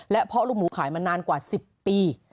เพราะลูกหมูขายมานานกว่า๑๐ปี